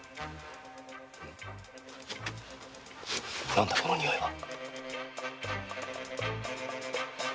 何だこの匂いは？